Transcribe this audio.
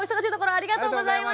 ありがとうございます。